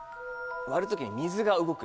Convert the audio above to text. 割る時に水が動く。